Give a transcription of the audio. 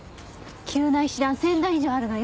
急な石段１０００段以上あるのよ。